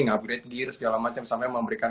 nge upgrade gear segala macam sampai memberikan